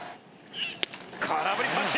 空振り三振！